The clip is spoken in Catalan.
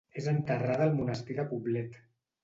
És enterrada al Monestir de Poblet.